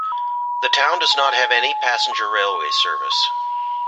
The town does not have any passenger railway service.